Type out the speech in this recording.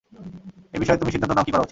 এই বিষয়ে তুমি সিদ্ধান্ত নাও কি করা উচিত।